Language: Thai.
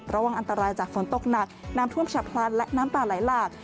ระวังอันตรายจากฝนตกหนักน้ำท่วมฉับพลันและน้ำป่าไหลหลาก